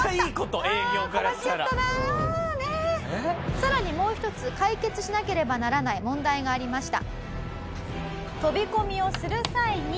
さらにもう１つ解決しなければならない問題がありました。